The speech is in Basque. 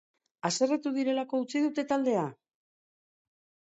Haserretu direlako utzi dute taldea?